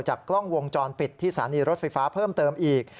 กล้องวงจรปิดที่สถานีรถไฟฟ้าเพิ่มเติมอีก